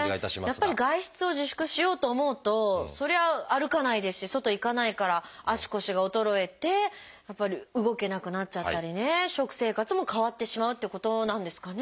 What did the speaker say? やっぱり外出を自粛しようと思うとそりゃ歩かないですし外へ行かないから足腰が衰えてやっぱり動けなくなっちゃったりね食生活も変わってしまうってことなんですかね。